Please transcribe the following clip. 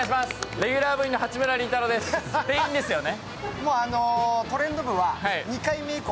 レギュラー部員の八村倫太郎ですでいいんですよね？